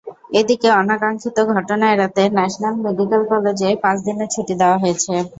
এদিকে অনাকাঙ্ক্ষিত ঘটনা এড়াতে ন্যাশনাল মেডিকেল কলেজে পাঁচ দিনের ছুটি দেওয়া হয়েছে।